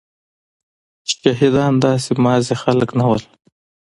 شهيدان داسي ماځي خلک نه ول.